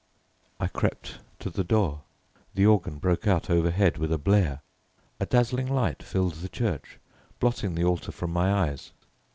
I crept to the door: the organ broke out overhead with a blare. A dazzling light filled the church, blotting the altar from my eyes.